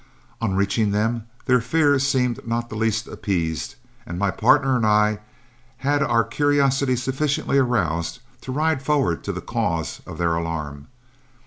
On reaching them, their fear seemed not the least appeased, and my partner and I had our curiosity sufficiently aroused to ride forward to the cause of their alarm.